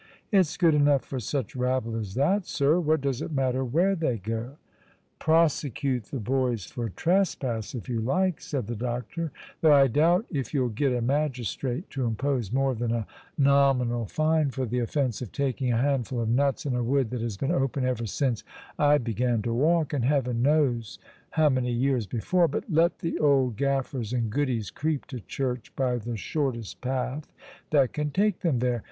"It's good enough for such rabble as that, sir. What does it matter where they go ?" "Prosecute the boys for trespass, if you like," said the doctor ;"■ though I doubt if you'll get a magistrate to impose more than a nominal fine for the offence of taking a handful of nuts in a wood that has been open ever since I began to walk, and heaven knows how many years before ; but let the old gaffers and goodies creep to church by the shortest path that can take them there.